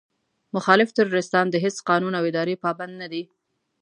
مخالف تروريستان د هېڅ قانون او ادارې پابند نه دي.